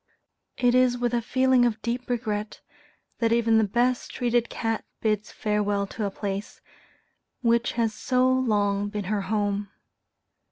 It is with a feeling of deep regret, that even the best treated cat bids farewell to a place, which has so long been her home.